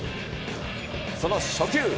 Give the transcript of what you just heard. その初球。